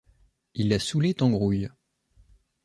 Il a soûlé Tangrouille.